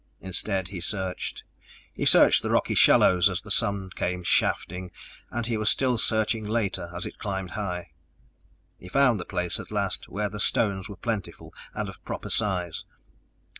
Instead he searched. He searched the rocky shallows as the sun came shafting, and he was still searching later as it climbed high. He found the place at last, where the stones were plentiful and of proper size.